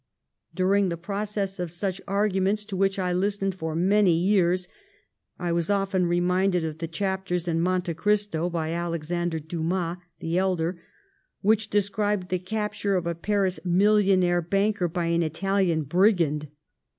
During the process of such arguments, to which I listened for many years, I was often reminded of the chapters in " Monte Cristo" by Alexandre Dumas the elder, which described the capture of a Paris millionaire banker by an Italian brigand.